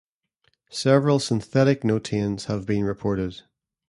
Several synthetic knotanes have been reported.